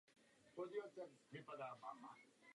To je všechno, co se stane.